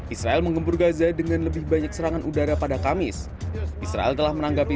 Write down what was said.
israel menggempur gaza dengan lebih banyak serangan udara pada kamis israel telah menanggapi